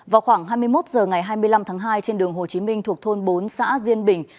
vào khoảng hai mươi một h ngày hai mươi năm tháng hai trên đường hồ chí minh thuộc thôn bốn xã diên bình